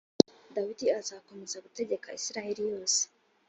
dawidi azakomeza gutegeka isirayeli yose.